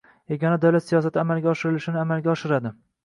yagona davlat siyosati amalga oshirilishini amalga oshiradi;